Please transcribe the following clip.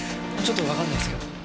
ちょっとわかんないですけど。